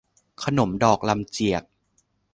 ขนมดอกลำเจียก